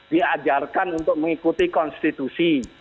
diajarkan untuk mengikuti konstitusi